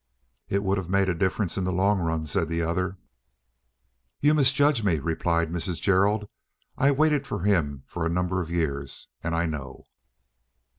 "It would have made a difference in the long run," said the other. "You misjudge me," replied Mrs. Gerald. "I waited for him for a number of years, and I know."